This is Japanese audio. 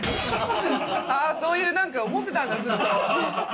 そういう何か思ってたんだずっと。